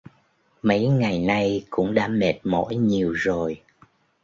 Mấy ngày nay cũng đã mệt mỏi nhiều rồi